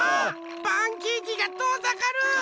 パンケーキがとおざかる！